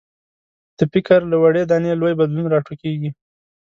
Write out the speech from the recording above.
د فکر له وړې دانې لوی بدلون راټوکېږي.